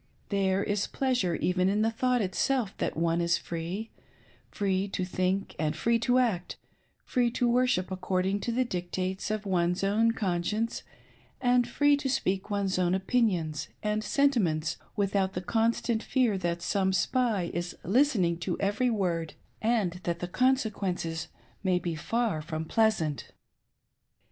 " There is pleasure even in the thought itself that one is free — free to think and free to act, free to worship according to the dictates of one's own conscience, and free to speak one's own opinions and sentiments, without the consta; nt fear that some spy is listening to every word and that the consequences may be far from pleasant